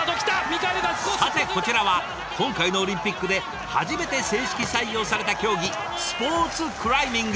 さてこちらは今回のオリンピックで初めて正式採用された競技スポーツクライミング。